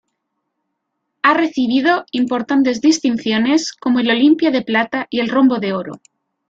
Ha recibido importantes distinciones, como el Olimpia de Plata y el Rombo de Oro.